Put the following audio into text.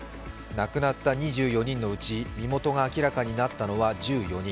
亡くなった２４人のうち身元が明らかになったのは１４人。